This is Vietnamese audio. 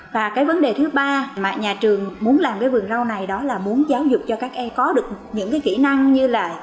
và cái vấn đề thứ ba mà nhà trường muốn làm với vườn rau này đó là muốn giáo dục cho các em có được những cái kỹ năng như là